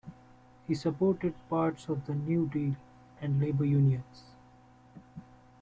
He supported parts of the New Deal and labor unions.